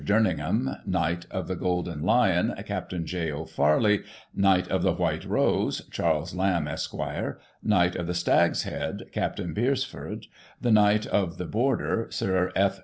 JerninGHAM ; Knight of the Golden Lion, Capt. J. O. FairlIE ; Knight of the White Rose, Charles Lamb, Esq. ; Knight of the Stag's Head, Capt. Beresford ; The Knight of the Border, Sir F.